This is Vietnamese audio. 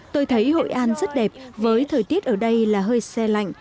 tôi thấy hội an rất đẹp với thời tiết ở đây là hơi xe lạnh